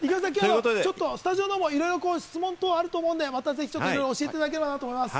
スタジオの方もいろいろ質問等あると思うので、いろいろ教えていただけたらと思います。